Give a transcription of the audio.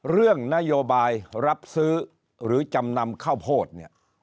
เรื่องนโยบายรับซื้อหรือจำนำข้าวโพดเนี่ย